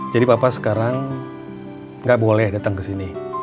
jadi papa sekarang gak boleh datang kesini